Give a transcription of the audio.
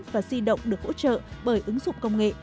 và di động được hỗ trợ bởi ứng dụng công nghệ